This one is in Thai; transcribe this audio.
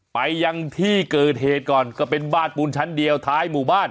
ไปยังที่เกิดเหตุก่อนก็เป็นบ้านปูนชั้นเดียวท้ายหมู่บ้าน